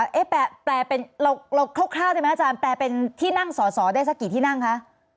แปลเป็นเราคร่าวได้ไหมอาจารย์แปลเป็นที่นั่งสอสอได้สักกี่ที่นั่งคะ